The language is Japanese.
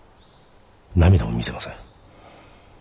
涙も見せません。